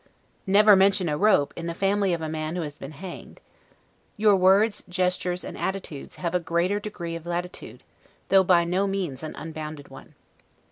[Never to mention a rope in the family of a man who has been hanged] Your words, gestures, and attitudes, have a greater degree of latitude, though by no means an unbounded one.